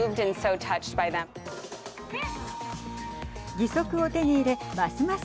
義足を手に入れますます